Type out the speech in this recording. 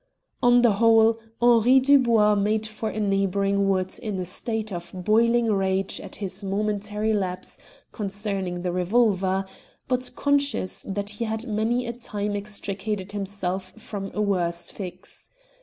On the whole, Henri Dubois made for a neighbouring wood in a state of boiling rage at his momentary lapse concerning the revolver, but conscious that he had many a time extricated himself from a worse fix.